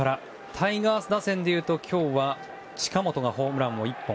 タイガース打線でいうと今日は近本がホームランを１本。